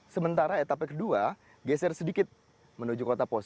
sementara etape kedua geser sedikit menuju kabupaten tojo una una